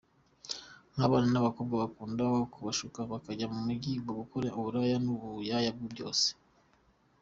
Nk’abana b’abakobwa bakunda kubashuka bakajya mu mijyi gukora uburaya n’ubuyaya byose.